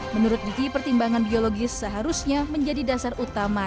menurut diki pertimbangan biologis seharusnya menjadi dasar utama